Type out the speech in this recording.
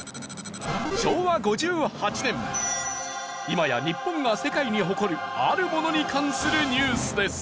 今や日本が世界に誇るあるものに関するニュースです。